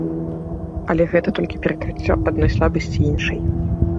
Але гэта толькі перакрыццё адной слабасці іншай.